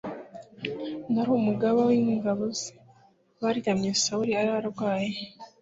Neri umugaba w ingabo ze baryamye Sawuli yari aryamye